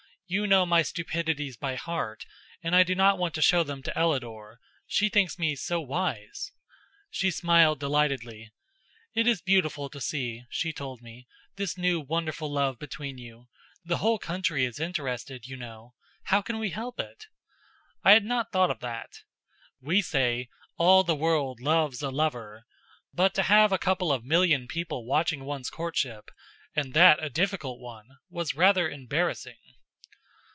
"You know my stupidities by heart, and I do not want to show them to Ellador she thinks me so wise!" She smiled delightedly. "It is beautiful to see," she told me, "this new wonderful love between you. The whole country is interested, you know how can we help it!" I had not thought of that. We say: "All the world loves a lover," but to have a couple of million people watching one's courtship and that a difficult one was rather embarrassing.